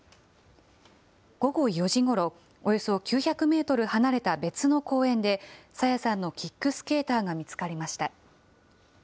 午後４時ごろ、およそ９００メートル離れた別の公園で、朝芽さんのキックスケーターが見つかりました。